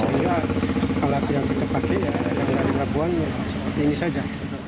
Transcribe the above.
jadi alat yang kita pakai dari labuan ini saja